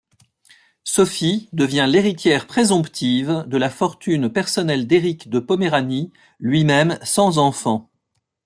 Sophie devient l'héritière présomptive de la fortune personnelle d'Éric de Poméranie lui-même sans enfant.